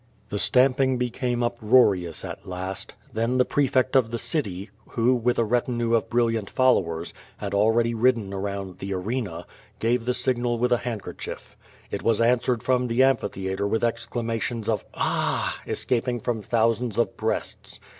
The stamping became uproarious at last. Then the prefect of the city, who, with a retinue of brilliant followers, had al ready ridden around the arena, gave, the signal with a hand kerchief. It was answered from the amphitheatre with ex clamations of "Aaa!" escaping from thousands of breasts.